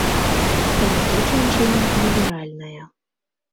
Але тут жанчына ліберальная.